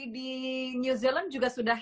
di new zealand juga sudah